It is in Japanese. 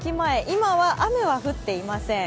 今は雨が降っていません。